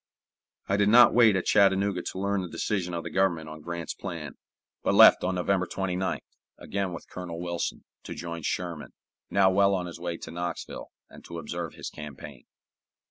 I did not wait at Chattanooga to learn the decision of the Government on Grant's plan, but left on November 29th, again with Colonel Wilson, to join Sherman, now well on his way to Knoxville, and to observe his campaign.